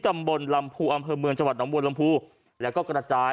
ตำบลลำพูอำเภอเมืองจังหวัดหนองบัวลำพูแล้วก็กระจาย